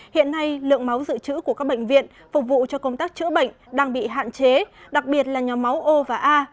hiện nay lượng máu dự trữ của các bệnh viện phục vụ cho công tác chữa bệnh đang bị hạn chế đặc biệt là nhóm máu o và a